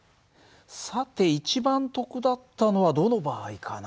さて一番得だったのはどの場合かな？